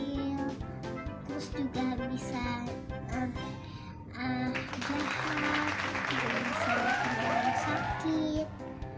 terus juga bisa jahat bisa sakit